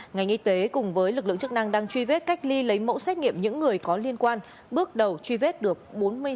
ngành y tế cùng với lực lượng chức năng đang truy vết cách ly lấy mẫu xét nghiệm những người có liên quan bước đầu truy vết được bốn mươi sáu trường hợp